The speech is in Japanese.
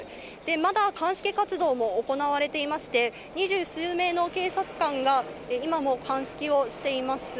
まだ鑑識活動も行われていまして、２０数名の警察官が今も鑑識をしています。